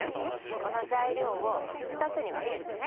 この材料を２つに分けるのね。